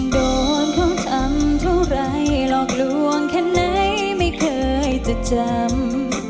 โดนเขาทำเท่าไรหลอกลวงแค่ไหนไม่เคยจะจำ